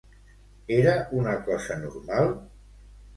Era una cosa normal?